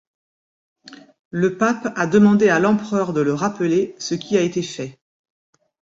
Le pape a demandé à l'empereur de le rappeler, ce qui a été fait.